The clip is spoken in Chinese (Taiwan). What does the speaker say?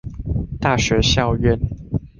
大學校院